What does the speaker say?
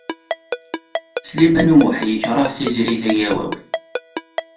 Sliman U Muḥ yekṛeh Tiziri Tagawawt.